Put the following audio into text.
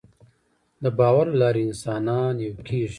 د باور له لارې انسانان یو کېږي.